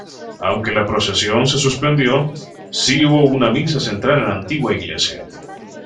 Aunque la procesión se suspendió, sí hubo una misa central en la antigua Iglesia.